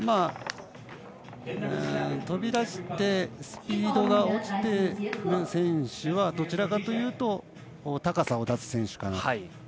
飛び出してスピードが落ちている選手はどちらかというと高さを出す選手。